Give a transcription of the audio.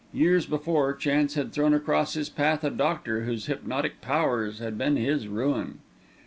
Years before, chance had thrown across his path a doctor whose hypnotic powers had been his ruin.